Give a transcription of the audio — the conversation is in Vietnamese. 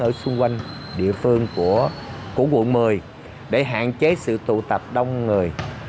ở xung quanh địa phương của quận một mươi để hạn chế sự tụ tập đông người